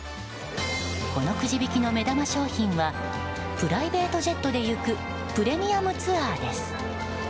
このくじ引きの目玉商品はプライベートジェットで行くプレミアムツアーです。